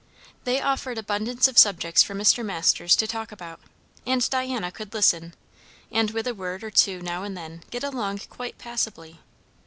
They offered abundance of subjects for Mr. Masters to talk about; and Diana could listen, and with a word or two now and then get along quite passably.